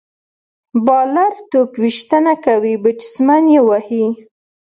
بالر توپ ویشتنه کوي، بیټسمېن يې وهي.